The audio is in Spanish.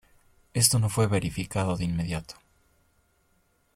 Esto no fue verificado de inmediato.